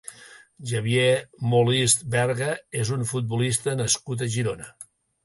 Xavier Molist Berga és un futbolista nascut a Girona.